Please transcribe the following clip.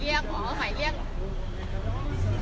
เราก็ต้องติดออกมาก็คืออยู่เชิญแล้วค่ะเนี้ย